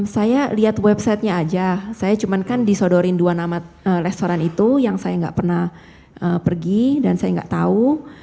saya lihat websitenya aja saya cuman kan disodorin dua nama restoran itu yang saya nggak pernah pergi dan saya nggak tahu